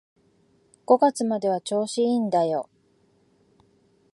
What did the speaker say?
五月までは調子いいんだよ